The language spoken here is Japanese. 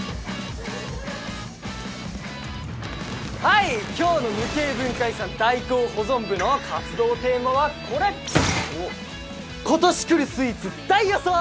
はい今日の無形文化遺産代行保存部の活動テーマはこれ今年くるスイーツ大予想！